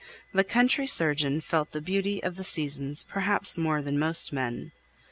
The country surgeon felt the beauty of the seasons perhaps more than most men.